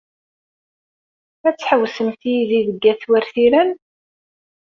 Ad tḥewwsemt yid-i deg at Wertilen?